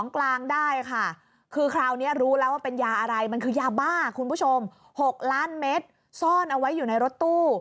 มันคือยาบ้าคุณผู้ชม๖ล้านเมตรซ่อนเอาไว้อยู่ในรถตู้